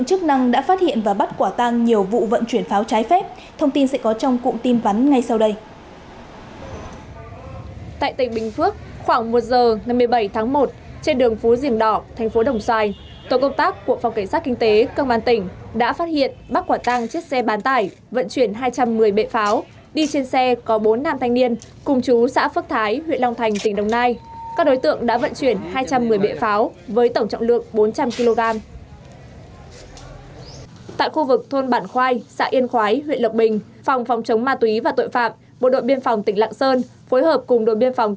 hãy đăng ký kênh để ủng hộ kênh của chúng mình nhé